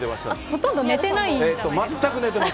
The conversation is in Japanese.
ほとんど寝てないんじゃないですか。